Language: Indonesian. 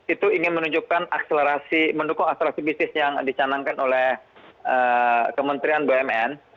itu ingin menunjukkan akselerasi mendukung asuransi bisnis yang dicanangkan oleh kementerian bumn